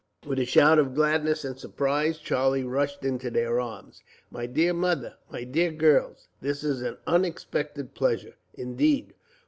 With a shout of gladness and surprise, Charlie rushed into their arms. "My dear mother, my dear girls, this is an unexpected pleasure, indeed!